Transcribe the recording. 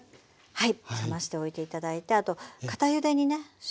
はい。